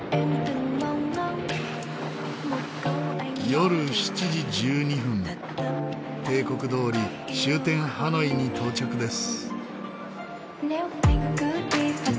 夜７時１２分定刻どおり終点ハノイに到着です。